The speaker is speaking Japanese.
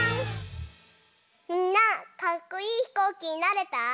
みんなかっこいいひこうきになれた？